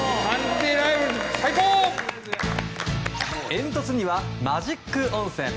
煙突にはマジック温泉。